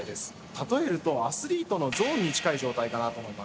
例えるとアスリートのゾーンに近い状態かなと思います。